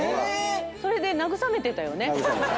⁉それで慰めてたよね。